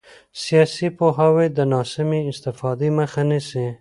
سیاسي پوهاوی د ناسمې استفادې مخه نیسي